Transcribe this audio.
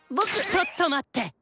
ちょっと待って！